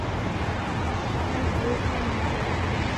Dadokwa ni malagho